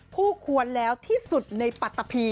ผู้ควรแล้วที่สุดในปัตตะพี